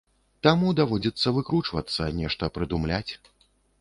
Таму даводзіцца выкручвацца, нешта прыдумляць.